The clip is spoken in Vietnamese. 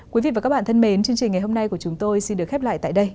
quý vị và các bạn thân mến chương trình ngày hôm nay của chúng tôi xin được khép lại tại đây